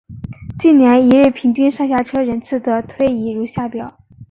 近年一日平均上下车人次的推移如下表。